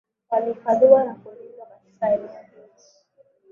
walihifadhiwa na kulindwa katika eneo hili